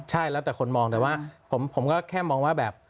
ใช่แล้วแต่คนมองแต่ว่าผมก็แค่มองว่าแบบ